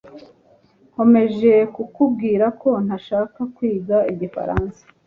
Nkomeje kukubwira ko ntashaka kwiga igifaransa